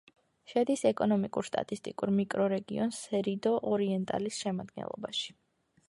შედის ეკონომიკურ-სტატისტიკურ მიკრორეგიონ სერიდო-ორიენტალის შემადგენლობაში.